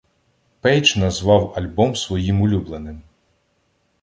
Пейдж назвав альбом своїм улюбленим.